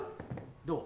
どう？